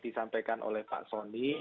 disampaikan oleh pak soni